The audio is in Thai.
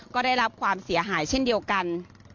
ก็ได้รับความเสียหายเช่นเดียวกัน